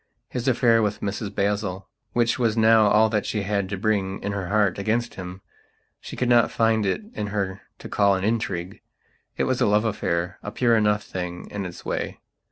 His affair with Mrs Basil, which was now all that she had to bring, in her heart, against him, she could not find it in her to call an intrigue. It was a love affaira pure enough thing in its way.